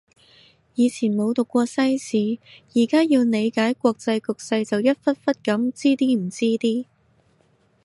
以前冇讀過西史，而家要理解國際局勢就一忽忽噉知啲唔知啲